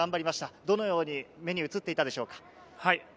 どのように目に映っていたでしょうか？